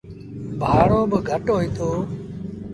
ڀآڙو با گھٽ هوئيٚتو۔